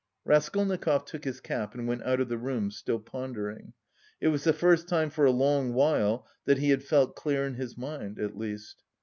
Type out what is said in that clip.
Raskolnikov took his cap and went out of the room, still pondering. It was the first time for a long while that he had felt clear in his mind, at least.